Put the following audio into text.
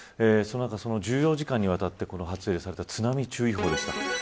そのあと１４時間にわたって発令された津波注意報。